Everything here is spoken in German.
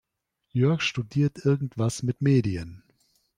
Jörg studiert irgendwas mit Medien.